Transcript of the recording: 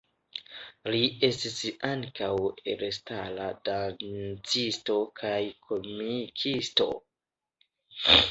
Li estis ankaŭ elstara dancisto kaj komikisto.